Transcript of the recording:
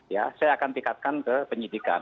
ya saya akan tingkatkan ke penyidikan